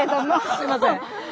すいません。